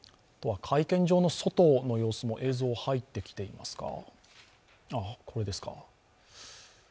会見場の外の様子も映像入ってきていますか。